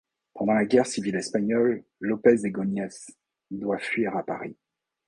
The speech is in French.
Pendant la guerre civile espagnole, López Egóñez doit fuir à Paris.